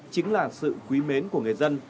chính là sự quý mến của người dân